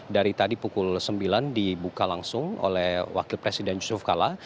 dari tadi pukul sembilan dibuka langsung oleh wakil presiden yusuf kala